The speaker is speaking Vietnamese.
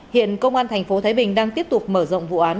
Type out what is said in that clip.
hiện công an thành phố thái bình đang tiếp tục mở rộng vụ án